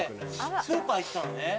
スーパー行ったのね。